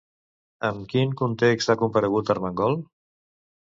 En quin context ha comparegut Armengol?